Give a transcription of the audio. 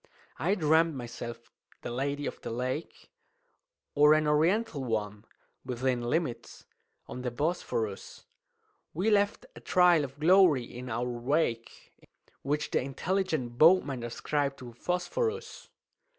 "I dream'd myself the Lady of the Lake, Or an Oriental one (within limits) on the Bosphorus; We left a trail of glory in our wake, Which the intelligent boatman ascribed to phosphorus.